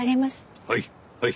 はい。